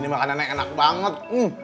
ini makanannya enak banget